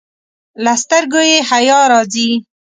له سترګو یې حیا راځي.